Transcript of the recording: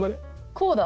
こうだ。